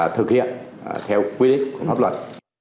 thực hiện theo quy định của pháp luật